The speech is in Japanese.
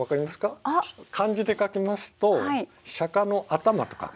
漢字で書きますと釈迦の頭と書くんです。